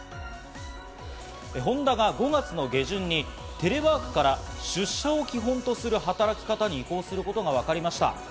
ホンダが５月の下旬にテレワークから出社を基本とする働き方に移行することがわかりました。